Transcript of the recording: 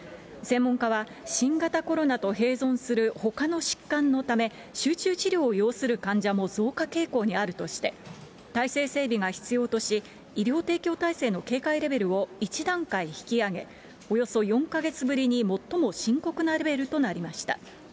専門家は、新型コロナと併存するほかの疾患のため、集中治療を要する患者も増加傾向にあるとして、体制整備が必要とし、医療提供体制の警戒レベルを１段階引き上げ、およそ４か月ぶりに最も深刻なレベルとなりました。